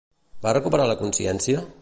Va recuperar la consciència?